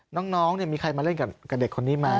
น้องมีใครมาเล่นกับเด็กคนนี้ไหม